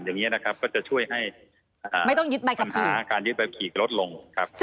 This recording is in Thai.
อย่างนี้นะครับก็จะช่วยให้ปัญหาการยึดใบขับขี่ลดลงครับ